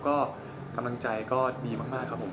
ก็กำลังใจก็ดีมากครับผม